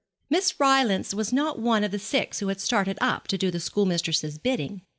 Miss Rylance was not one of the six who had started up to do the schoolmistress's bidding.